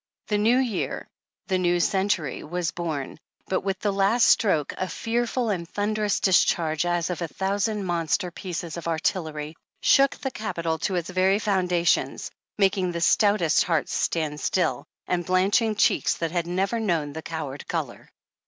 The New Year, the New Century was born, but with the last stroke, a fearful and thunderous dis 'Charge as of a thousand monster pieces of artillery, shook the Capitol to its very foundations, making the stoutest hearts stand still, and blanching cheeks that had never known the coward color.